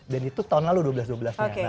dan itu tahun lalu dua belas dua belas nya